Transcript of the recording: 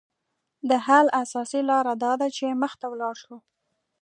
د حل اساسي لاره داده چې مخ ته ولاړ شو